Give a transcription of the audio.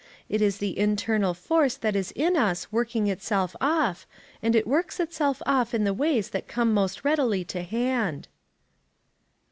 It is the internal force that is in us working itself off, and it works itself off in the ways that come most readily to hand."